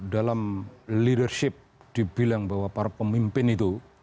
dalam leadership dibilang bahwa para pemimpin itu